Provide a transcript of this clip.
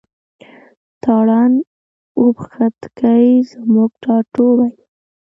تارڼ اوبښتکۍ زموږ ټاټوبی دی.